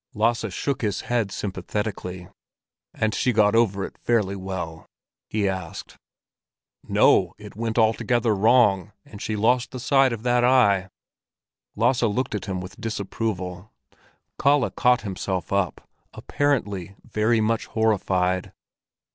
Lasse shook his head sympathetically. "And she got over it fairly well?" he asked. "No; it went altogether wrong, and she lost the sight of that eye." Lasse looked at him with disapproval. Kalle caught himself up, apparently very much horrified.